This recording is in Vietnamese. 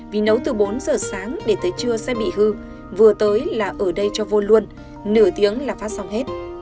vì nấu từ bốn giờ sáng để tới trưa sẽ bị hư vừa tới là ở đây cho vô luôn nửa tiếng là phát xong hết